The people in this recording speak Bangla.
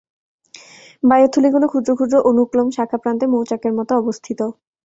বায়ুথলিগুলো ক্ষুদ্র ক্ষুদ্র অনুক্লোম শাখাপ্রান্তে মৌচাকের মত অবস্থিত।